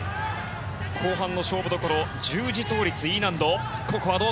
後半の勝負どころ十字倒立、Ｅ難度。